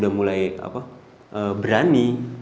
dan juga berani